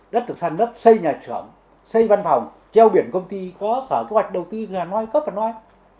đất thực sản đất xây nhà trưởng xây văn phòng treo biển công ty có sở kế hoạch đầu tiên là nói có phải nói